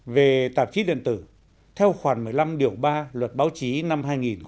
về tạp chí điện tử theo khoản một mươi năm ba luật báo chí năm hai nghìn một mươi